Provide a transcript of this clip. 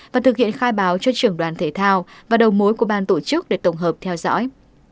và thực hiện khai báo cho trưởng đoàn thể thao và đầu mối của ban tổ chức để tổng hợp theo dõi